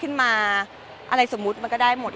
เนื้อหาดีกว่าน่ะเนื้อหาดีกว่าน่ะ